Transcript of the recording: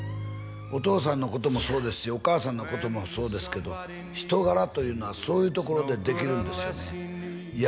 お父さんのこともそうですしお母さんのこともそうですけど人柄というのはそういうところでできるんですいや